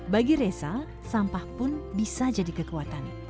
bagi resa sampah pun bisa jadi kekuatannya